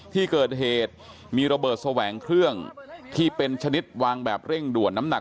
ที่เกิดเหตุมีระเบิดแสวงเครื่องที่เป็นชนิดวางแบบเร่งด่วนน้ำหนัก